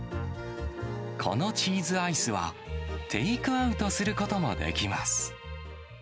このチーズアイスは、テイクアウトすることもできます。